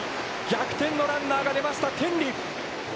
逆転のランナーが出ました、天理。